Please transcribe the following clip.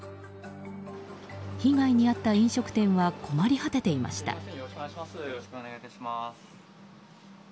被害に遭った飲食店は困り果てていました。